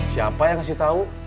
siapa yang ngasih tau